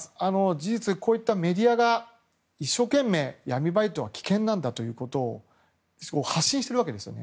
事実、こういったメディアが一生懸命闇バイトは危険なんだということを発信しているわけです。